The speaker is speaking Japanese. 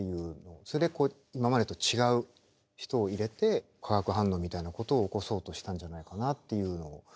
それで今までと違う人を入れて化学反応みたいなことを起こそうとしたんじゃないかなっていうのを。